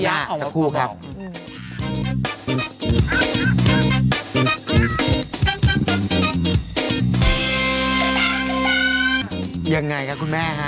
ยังไงครับคุณแม่ฮะ